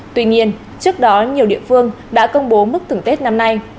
tuy nhiên trước đó nhiều địa phương đã công bố mức thưởng tết năm nay